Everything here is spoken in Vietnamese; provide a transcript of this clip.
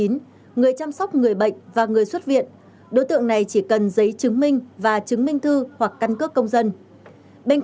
người chăm sóc người bệnh và người xuất viện đối tượng này chỉ cần giấy chứng minh và chứng minh thư hoặc căn cước công dân